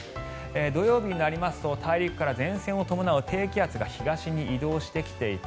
土曜日になりますと大陸から前線を伴う低気圧が東に移動してきていて